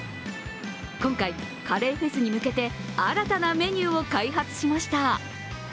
今回、カレーフェスに向けて、新たなメニューを開発しました。